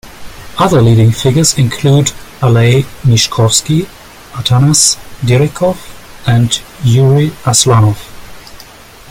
Other leading figures include Alei Mishkovski, Atanas Direkov and Jurij Aslanov.